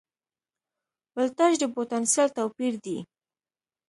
ولتاژ د پوتنسیال توپیر دی.